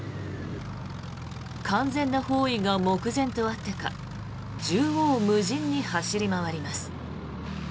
完全な包囲が目前とあってか縦横無尽に走り回ります。